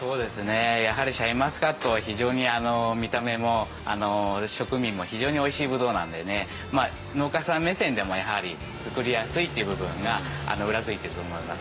やはりシャインマスカットは非常に見た目も、食味もおいしいんでね、農家さん目線でもやはり作りやすいという部分が裏付いたと思います。